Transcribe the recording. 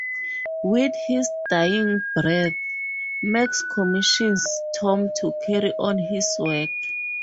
With his dying breath, Max commissions Tom to carry on his work.